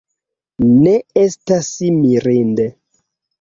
Ne estas mirinde.